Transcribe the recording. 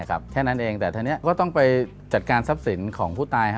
แค่นั้นเองแต่ทีนี้ก็ต้องไปจัดการทรัพย์สินของผู้ตาย